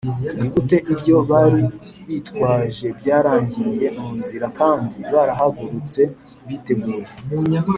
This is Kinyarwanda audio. ni gute ibyo bari bitwaje byarangiriye mu nzira kandi barahagurutse biteguye